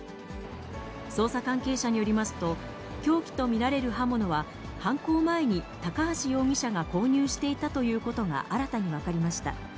捜査関係者によりますと、凶器と見られる刃物は、犯行前に高橋容疑者が購入していたということが新たに分かりました。